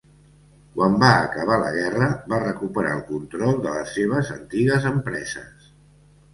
Quan va acabar la guerra va recuperar el control de les seves antigues empreses.